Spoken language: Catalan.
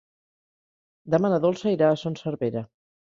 Demà na Dolça irà a Son Servera.